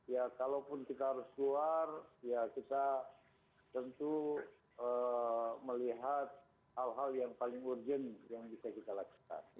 ya kalaupun kita harus keluar ya kita tentu melihat hal hal yang paling urgent yang bisa kita laksanakan